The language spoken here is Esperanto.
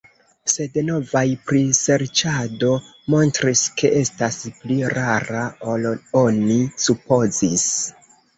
Sed novaj priserĉado montris, ke estas pli rara ol oni supozis.